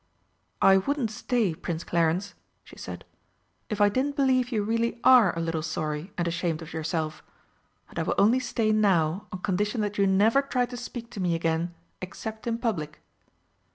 "I wouldn't stay, Prince Clarence," she said, "if I didn't believe you really are a little sorry and ashamed of yourself. And I will only stay now on condition that you never try to speak to me again except in public."